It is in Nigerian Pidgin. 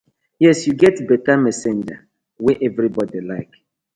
Yes yu get betta messenger wey everybodi like.